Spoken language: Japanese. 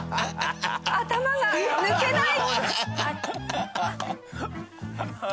頭が抜けない！